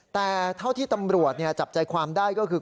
แต่เท่าที่ตำรวจจับใจความได้ก็คือ